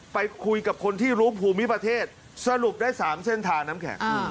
ไปคุยกับคนที่รู้ภูมิประเทศสรุปได้๓เส้นทางน้ำแข็ง